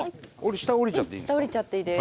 下下りちゃっていいです。